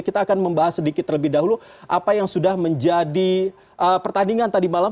kita akan membahas sedikit terlebih dahulu apa yang sudah menjadi pertandingan tadi malam